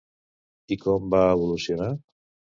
I com va evolucionar?